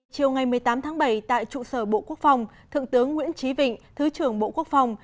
chiều ngày một mươi tám tháng bảy tại trụ sở bộ quốc phòng thượng tướng nguyễn trí vịnh thứ trưởng bộ quốc phòng